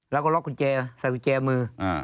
แล้วก็ล็อกกุญแจใส่กุญแจมือ